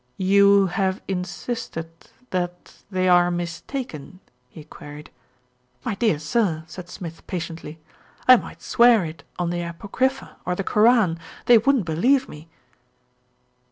"You have insisted that they are mistaken?" he queried. "My dear sir," said Smith patiently, "I might swear it on the Apocrypha or the Koran; they wouldn't be lieve me."